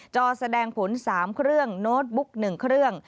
อแสดงผล๓เครื่องโน้ตบุ๊ก๑เครื่อง